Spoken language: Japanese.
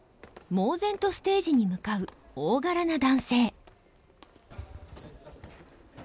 猛然とステージに向かう大柄な男性。